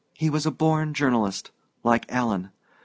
He was a born journalist like Alan.